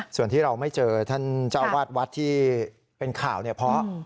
ส่วนที่เราไม่เจอท่านเจ้าวาดวัดที่เป็นข่าวเนี่ยเพราะ